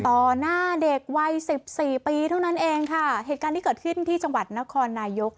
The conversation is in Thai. หน้าเด็กวัยสิบสี่ปีเท่านั้นเองค่ะเหตุการณ์ที่เกิดขึ้นที่จังหวัดนครนายก